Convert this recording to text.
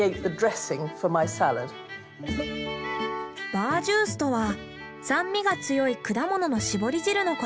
バージュースとは酸味が強い果物のしぼり汁のこと。